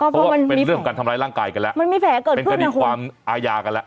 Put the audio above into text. เพราะว่าเป็นเรื่องการทำร้ายร่างกายกันแล้วเป็นคดีความอายากันแล้ว